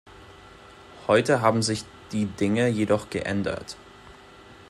Heute haben sich die Dinge jedoch geändert.